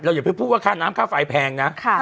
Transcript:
เราอย่าเพิ่งพูดว่าค่าน้ำค่าฝ่ายแพงนะ